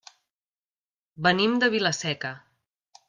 Venim de Vila-seca.